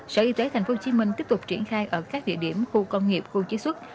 sở y tế tp hcm tiếp tục triển khai ở các địa điểm khu công nghiệp khu chế xuất